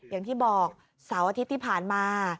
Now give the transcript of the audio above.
อย่างที่บอกเสาร์อาทิตย์ที่ผ่านมา